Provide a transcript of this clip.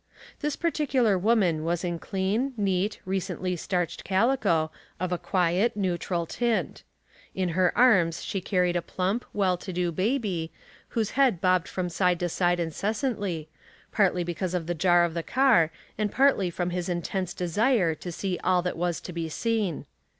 This particular woman was in clean, neat, recently starched calico, of a auiet, neutral tint. In her arms she carried a Real or Imitation t 241 plump, well to do baby, whose head bobbed from side to side incessantly, partly because of the jar of the car, and partly from his intense de sire to see all that was to be seen.